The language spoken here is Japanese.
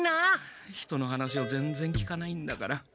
人の話をぜんぜん聞かないんだから。